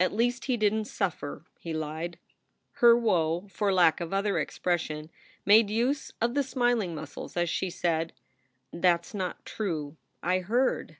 "At least he didn t suffer!" he lied. Her woe, for lack of other expression, made use of the smiling muscles, as she said: "That s not true. I heard."